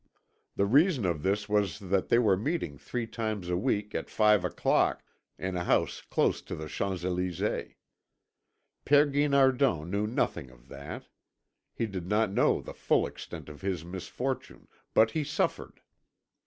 The reason of this was that they were meeting three times a week at five o'clock in a house close to the Champs Élysées. Père Guinardon knew nothing of that. He did not know the full extent of his misfortune, but he suffered.